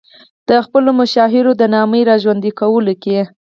د خپلو مشاهیرو د نامې را ژوندي کولو کې.